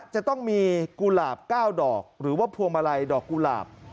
จะต้องมีกุหลาบ๙ดอกหรือว่าพวงมาลัยดอกกุหลาบ